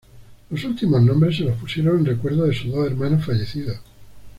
Los últimos nombres se los pusieron en recuerdo de sus dos hermanos fallecidos.